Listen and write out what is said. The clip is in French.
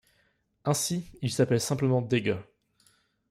Ainsi, il s'appelle simplement Digger.